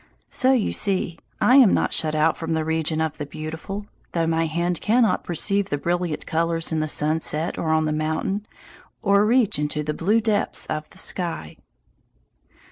So you see I am not shut out from the region of the beautiful, though my hand cannot perceive the brilliant colours in the sunset or on the mountain, or reach into the blue depths of the sky.